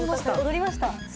踊りました⁉